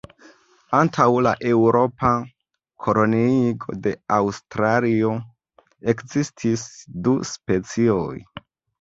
Antaŭ la eŭropa koloniigo de Aŭstralio, ekzistis du specioj.